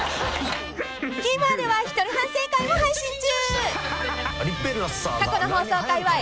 ［ＴＶｅｒでは一人反省会も配信中］